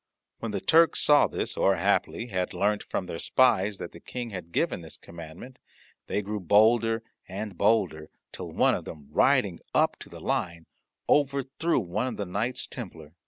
When the Turks saw this, or, haply, had learnt from their spies that the King had given this commandment, they grew bolder and bolder, till one of them, riding up to the line, overthrew one of the Knights Templar.